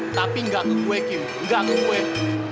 tapi gak kekueh kim gak kekueh